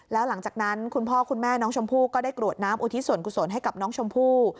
แล้วหลังจากนั้นคุณพ่อคุณแม่น้องชมพู่ก็ได้กรวดน้ำอุทิศส่วนกุศลให้กับน้องชมพู่